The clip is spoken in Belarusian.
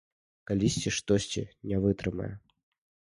Калісьці штосьці не вытрымае.